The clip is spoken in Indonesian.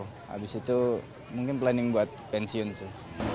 habis itu mungkin planning buat pensiun sih